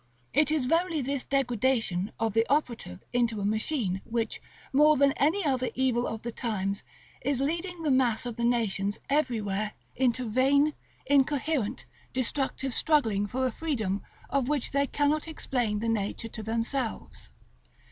It is verily this degradation of the operative into a machine, which, more than any other evil of the times, is leading the mass of the nations everywhere into vain, incoherent, destructive struggling for a freedom of which they cannot explain the nature to themselves.